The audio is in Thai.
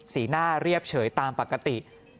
สีหน้าเรียบเฉยตามปกติ